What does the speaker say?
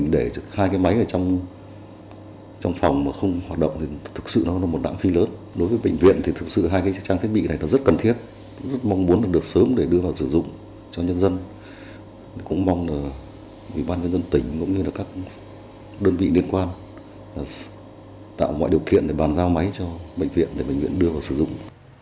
đơn vị liên quan tạo mọi điều kiện để bàn giao máy cho bệnh viện để bệnh viện đưa vào sử dụng